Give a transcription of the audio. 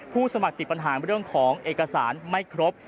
สมัครติดปัญหาเรื่องของเอกสารไม่ครบ